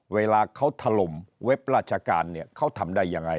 เวลาเขาถล่มเว็บราชการเนี่ยเขาทำได้ยังไง